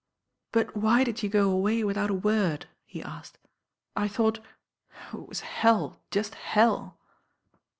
"But why did you go away without a word?" he asked. "I thought— oh I it was hell, just hell."